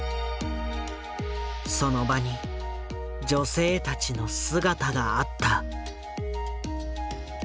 その場に女性たちの姿があった。